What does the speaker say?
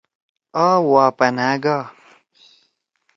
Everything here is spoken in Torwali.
آ واپنأ گا۔